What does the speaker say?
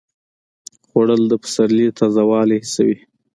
خوړل د پسرلي تازه والی حسوي